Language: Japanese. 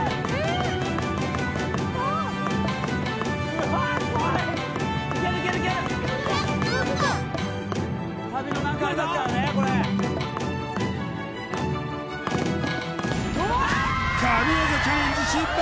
うん神業チャレンジ失敗！